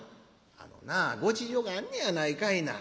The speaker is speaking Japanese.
『あのなご事情があんねやないかいな。